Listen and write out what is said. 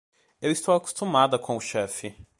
Eu estou acostumada com o chefe.